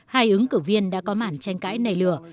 hai ứng cử viên đã có màn tranh cãi nảy lửa